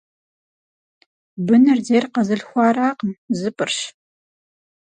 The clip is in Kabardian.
Быныр зейр къэзылъхуаракъым - зыпӏырщ.